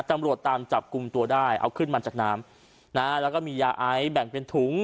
ตำรวจตามจับกลุ่มตัวได้เอาขึ้นมาจากน้ำนะฮะแล้วก็มียาไอแบ่งเป็นถุง